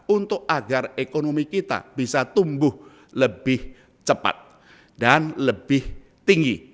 untuk agar ekonomi kita bisa tumbuh lebih cepat dan lebih tinggi